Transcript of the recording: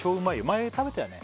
前食べたよね？